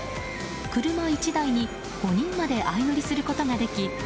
車１台に５人まで相乗りすることができ